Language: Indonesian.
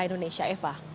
minta indonesia eva